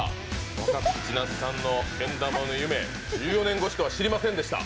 若槻千夏さんのけん玉の夢、１４年越しとは知りませんでした。